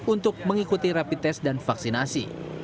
untuk mengikuti rapid test dan vaksinasi